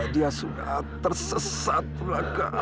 dia sudah tersesat raka